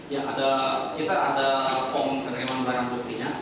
ya ada kita ada form penerimaan barang buktinya